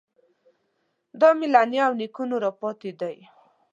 دا مې له نیا او نیکونو راپاتې دی.